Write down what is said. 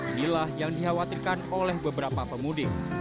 inilah yang dikhawatirkan oleh beberapa pemudik